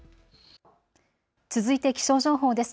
続いて気象情報です。